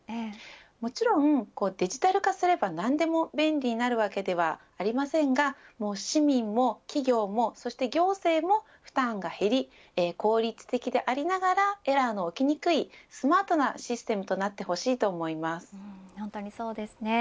もちろんデジタル化すれば何でも便利になるわけではありませんが市民も企業もそして行政も負担が減り、効率的でありながらエラーの起きにくいスマートなシステムと本当にそうですね。